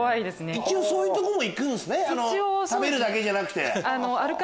一応そういうとこも行くんすね食べるだけじゃなくて。